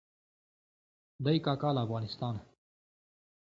دی کاکا له افغانستانه.